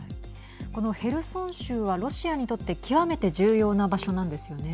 このヘルソン州はロシアにとって極めて重要な場所なんですよね。